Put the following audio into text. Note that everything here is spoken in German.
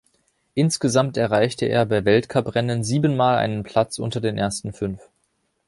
Insgesamt erreichte er bei Weltcuprennen sieben Mal einen Platz unter den ersten fünf.